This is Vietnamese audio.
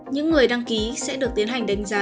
những người đăng ký sẽ được tiến hành đánh giá